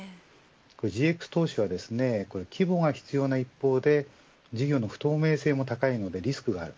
ＧＸ投資は規模が必要な一方で事業の不透明性も高いのでリスクがある。